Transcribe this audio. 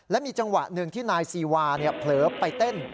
และมีจังหวะหนึ่งที่นายซีวาเผลอไปเต้น